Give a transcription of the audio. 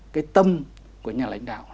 cái tâm của nhà lãnh đạo